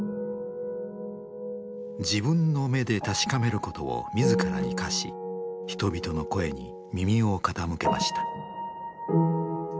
自分の目で確かめることを自らに課し人々の声に耳を傾けました。